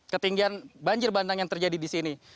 ketinggian banjir bandang yang terjadi di sini